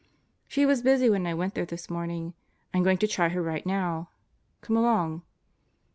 "She was busy when I went there this morning. I'm going to try her right now. Come along."